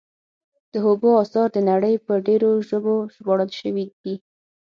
د هوګو اثار د نړۍ په ډېرو ژبو ژباړل شوي دي.